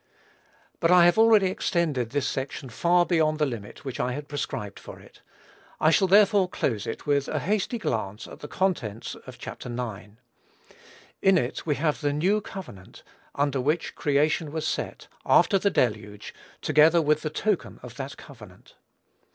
But I have already extended this section far beyond the limit which I had prescribed for it. I shall, therefore, close it with a hasty glance at the contents of Chapter ix. In it we have the new covenant, under which creation was set, after the Deluge, together with the token of that covenant.